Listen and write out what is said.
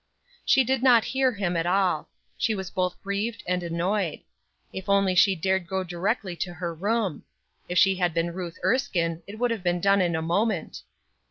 She did not hear him at all; she was both grieved and annoyed. If only she dared go directly to her room! If she had been Ruth Erskine it would have been done in a moment.